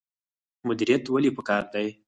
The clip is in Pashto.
مدیریت ولې پکار دی؟